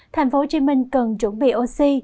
thành phố hồ chí minh cần chuẩn bị oxy